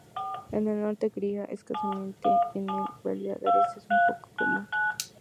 En el norte cría escasamente y en Baleares es poco común.